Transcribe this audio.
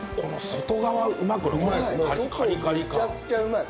外めちゃくちゃうまい。